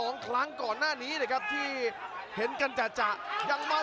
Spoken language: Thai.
นี่ครับหัวมาเจอแบบนี้เลยครับวงในของพาราดอลเล็กครับ